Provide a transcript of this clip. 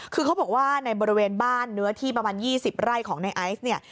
คือเขาบอกว่าในบริเวณบ้านเนื้อที่ประมาณ๒๐ไร่ของในไอซ์เนี่ย